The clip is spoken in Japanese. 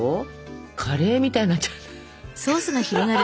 カレーみたいになっちゃって。